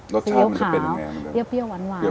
รสชาติมันจะเป็นยังไง